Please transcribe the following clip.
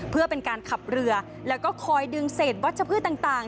เพื่อเป็นการขับเรือแล้วก็คอยดึงเศษวัชพืชต่าง